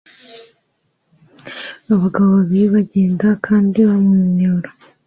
Abagabo babiri bagenda kandi bamwenyura